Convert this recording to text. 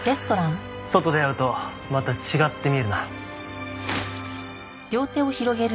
外で会うとまた違って見えるな。